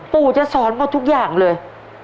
ปู่จะสอนหมดทุกอย่างเลย